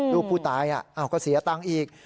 ลูกผู้ตายก็เสียตังค์อีก